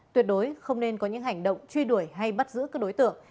tuyệt đối không nên có những hành động truy đuổi hay bắt giữ các đối tượng